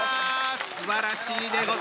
すばらしいでございます。